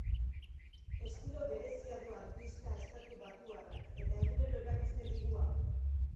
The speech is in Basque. Estilo berezia du artista estatu batuarrak, eta egunero erakusten digu hau.